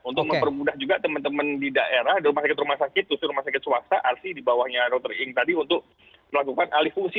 untuk mempermudah juga teman teman di daerah di rumah sakit rumah sakit khusus rumah sakit swasta arsi di bawahnya routering tadi untuk melakukan alih fungsi